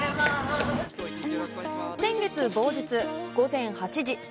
先月某日、午前８時。